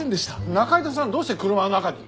仲井戸さんはどうして車の中に？